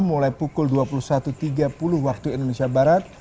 mulai pukul dua puluh satu tiga puluh waktu indonesia barat